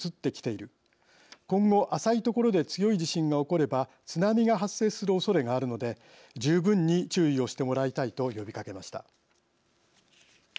今後浅い所で強い地震が起これば津波が発生するおそれがあるので十分に注意をしてもらいたいと呼びかけました。